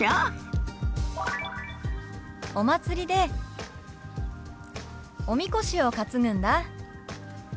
「お祭りでおみこしを担ぐんだ」。